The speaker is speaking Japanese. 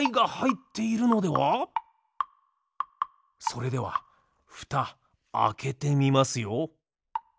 それではふたあけてみますよ。